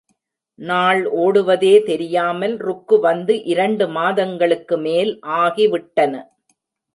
நாள் ஓடுவதே தெரியாமல் ருக்கு வந்து இரண்டு மாதங்களுக்கு மேல் ஆகிவிட்டன.